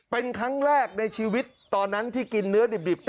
เป็นครั้งแรกในชีวิตตอนนั้นที่กินเนื้อดิบ